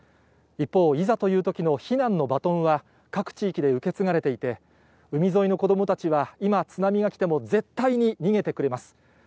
一方、いざというときの避難のバトンは、各地域で受け継がれていて、海沿いの子どもたちは今、津波が来ても、絶対に逃げてくれます。